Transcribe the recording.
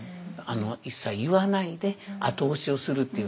一切言わないで後押しをするっていう。